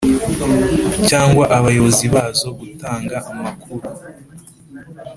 cyangwa abayobozi bazo gutanga amakuru